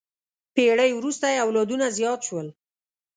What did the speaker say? پېړۍ وروسته یې اولادونه زیات شول.